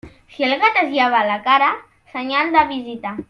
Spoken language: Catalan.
Si el gat es llava la cara, senyal de visita.